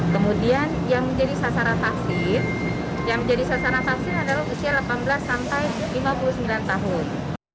kemudian yang menjadi sasaran vaksin adalah usia delapan belas sampai lima puluh sembilan tahun